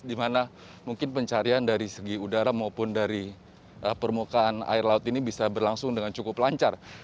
di mana mungkin pencarian dari segi udara maupun dari permukaan air laut ini bisa berlangsung dengan cukup lancar